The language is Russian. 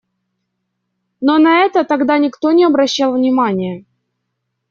Но на это тогда никто не обращал внимание.